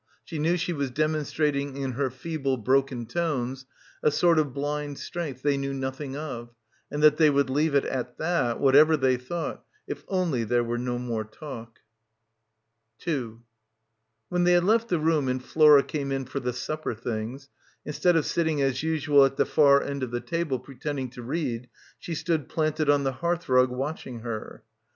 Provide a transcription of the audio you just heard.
She knew she was demonstrating in her feeble broken tones a sort of blind strength they knew nothing of and that they would leave it at that, whatever they thought, if only there were no more talk. When they had left the room and Flora came in for the supper things, instead of sitting as usual at the far end of the table pretending to read, she stood planted on the hearthrug watching her.